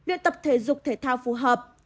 điện tập thể dục thể thao phù hợp